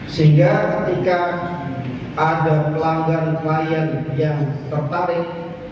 sehingga ketika ada pelanggan klien yang tertarik